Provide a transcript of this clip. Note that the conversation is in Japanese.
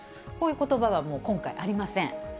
こういうことばは今回、もうありません。